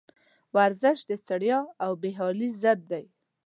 ورزش د ستړیا او بېحالي ضد دی.